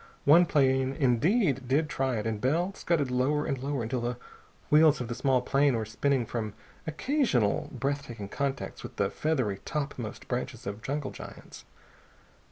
One plane, indeed, did try it, and Bell scudded lower and lower until the wheels of the small plane were spinning from occasional, breath taking contacts with the feathery topmost branches of jungle giants.